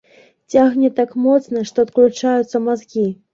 Цягне так моцна, што адключаюцца мазгі.